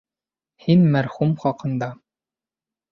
Һин мәрхүм хаҡында...